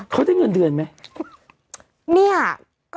เขาได้เงินเดือนไหม